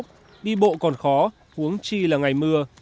các cán bộ còn khó uống chi là ngày mưa